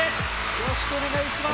よろしくお願いします。